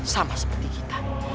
sama seperti kita